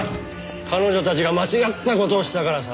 彼女たちが間違った事をしたからさ。